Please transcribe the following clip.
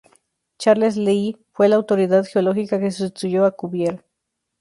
Charles Lyell fue la autoridad geológica que sustituyó a Cuvier.